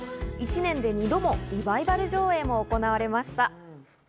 １年で２度のリバイバル上映も行われました。